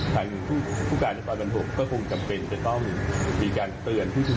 ทางผู้การอัตภัณฑ์หกก็คงจำเป็นจะต้องมีการเตือนผู้ชุมนูม